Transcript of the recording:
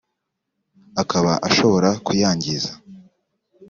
akaba ashobora kuyangiza